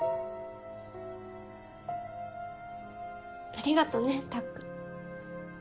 ありがとねたっくん。